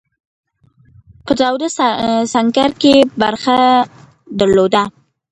په تاوده سنګر کې برخه درلوده.